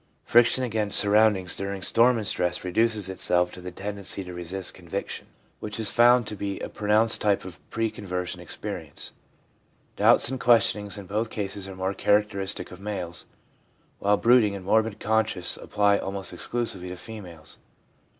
Friction against surroundings during storm and stress reduces itself to the tendency to resist conviction, 224 THE PSYCHOLOGY OF RELIGION which is found to be a pronounced type of pre conver sion experience. Doubts and questionings in both cases are more characteristics of males, while brooding and morbid conscience apply almost exclusively to females.